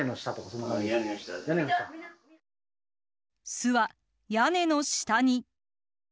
巣は屋根の下に。